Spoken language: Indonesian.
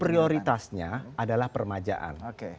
prioritasnya adalah permajaan